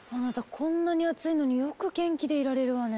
こんなに暑いのによく元気でいられるわね。